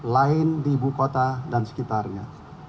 lain di ibu kota dan sekitarnya